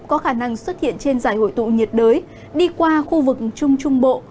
có khả năng xuất hiện trên giải hội tụ nhiệt đới đi qua khu vực trung trung bộ